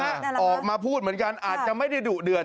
ออกมาพูดเหมือนกันอาจจะไม่ได้ดุเดือด